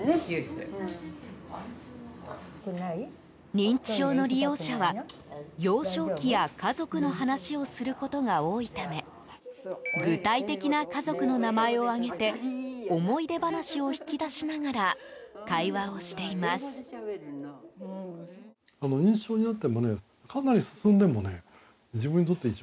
認知症の利用者は幼少期や家族の話をすることが多いため具体的な家族の名前を挙げて思い出話を引き出しながら会話をしています。